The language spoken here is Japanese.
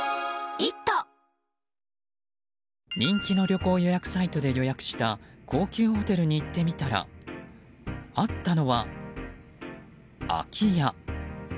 人気の旅行予約サイトで予約した高級ホテルに行ってみたらあったのは空き家。